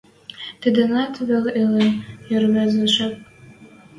Тидӹнӓт вет ылын ӹрвезӹ жеп.